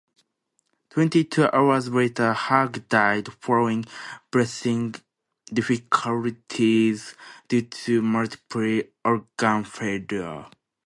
Twenty-two hours later, Hug died following breathing difficulties due to multiple organ failure.